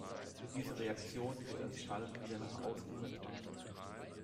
Diese Reaktion wird als Schall wieder nach außen übertragen.